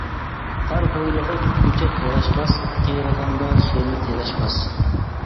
تار ھويلىغا كۆچەت ياراشماس، قېرىغاندا سۆلەت ياراشماس.